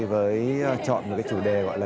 với chọn một cái chủ đề gọi là